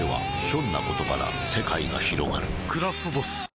「クラフトボス」